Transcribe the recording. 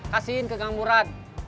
kasihin ke kang murad